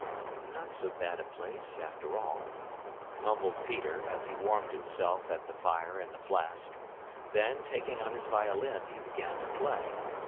"Not so bad a place, after all," mumbled Peter, as he warmed himself at the fire and the flask; then, taking out his violin, he began to play.